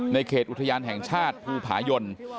เขตอุทยานแห่งชาติภูผายน